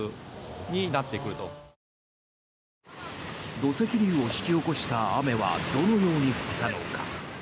土石流を引き起こした雨はどのように降ったのか。